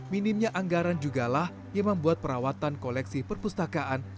minimnya anggaran juga lah yang membuat perawatan koleksi perpustakaan